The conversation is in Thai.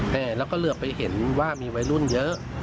แต่เราก็เหลือไปเห็นว่ามีวัยรุ่นเยอะ